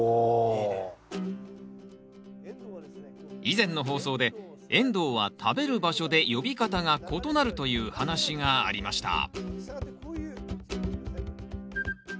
以前の放送でエンドウは食べる場所で呼び方が異なるという話がありました